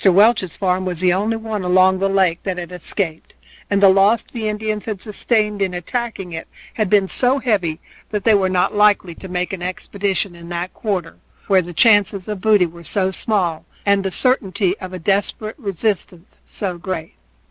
Welch's farm was the only one along the lake that had escaped, and the loss the Indians had sustained in attacking it had been so heavy that they were not likely to make an expedition in that quarter, where the chances of booty were so small and the certainty of a desperate resistance so great.